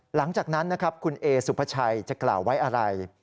หลังจากนั้นนะครับคุณเอสุภาชัยจะกล่าวไว้อะไร